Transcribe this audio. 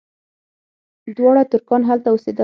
دواړه ترکان هلته اوسېدل.